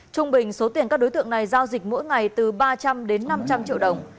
trung bình số tiền các đối tượng này giao dịch mỗi ngày từ ba trăm linh đến năm trăm linh triệu đồng